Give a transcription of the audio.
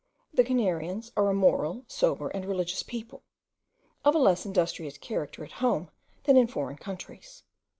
The Canarians are a moral, sober, and religious people, of a less industrious character at home than in foreign countries.